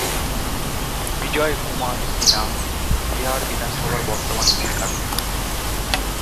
বিজয় কুমার সিনহা বিহার বিধানসভার বর্তমান স্পিকার।